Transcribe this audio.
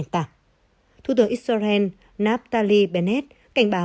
thủ tướng israel naftali bennett cảnh báo